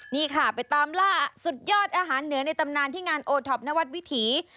นี่ค่ะไปตามล่าสุดยอดอาหารเหนือในตำนานที่งานโอท็อปนวัดวิถี